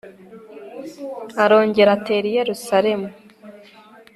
arongera atera i yerusalemu